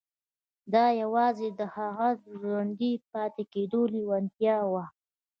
دا يوازې د هغه د ژوندي پاتې کېدو لېوالتیا وه.